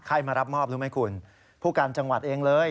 มารับมอบรู้ไหมคุณผู้การจังหวัดเองเลย